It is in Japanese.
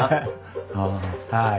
はい。